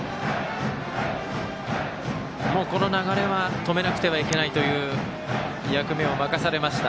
この流れは止めなくてはならないという役目を任されました。